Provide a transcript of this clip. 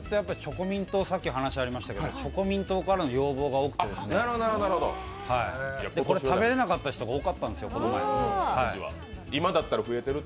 さっき話ありましたけどチョコミン党からの要望が多くて、食べれなかった人が多かったんですよ、この前。